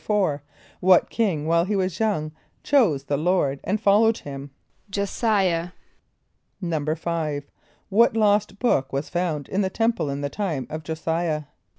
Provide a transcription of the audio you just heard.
= =4.= What king while he was young chose the Lord and followed him? =J[+o] s[=i]´ah.= =5.= What lost book was found in the temple in the time of J[+o] s[=i]´ah?